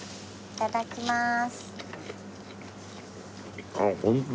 いただきます。